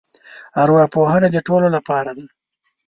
ارواپوهنه د ټولو لپاره دی.